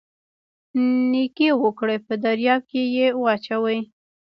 نیکي وکړئ په دریاب یې واچوئ